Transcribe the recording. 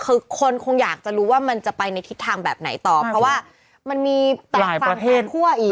คือคนคงอยากจะรู้ว่ามันจะไปในทิศทางแบบไหนต่อเพราะว่ามันมีแต่ฝั่งทางคั่วอีก